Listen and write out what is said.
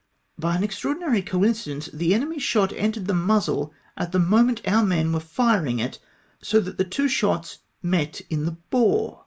By an extraordinary comcidence the enemy's shot entered the muzzle at the moment om men were firing it, so that the two shots met in the bore